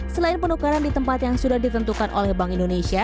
selain penukaran di tempat yang sudah ditentukan online